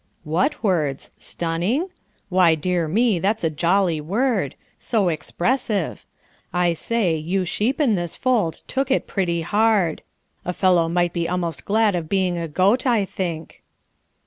"What words!' Stunning?' Why, dear me, that is a jolly word; so expressive. I say, you sheep in this fold took it pretty hard. A fellow might be almost glad of being a goat, I think."